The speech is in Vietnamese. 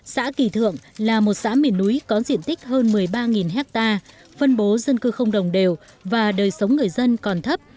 xã kỳ thượng là một xã miền núi có diện tích hơn một mươi ba ha phân bố dân cư không đồng đều và đời sống người dân còn thấp